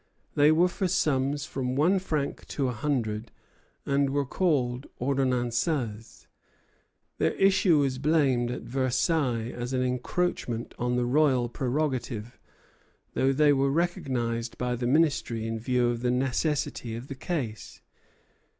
They were for sums from one franc to a hundred, and were called ordonnances. Their issue was blamed at Versailles as an encroachment on the royal prerogative, though they were recognized by the Ministry in view of the necessity of the case.